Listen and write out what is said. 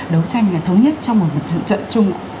đấu tranh thống nhất trong một mặt trận chung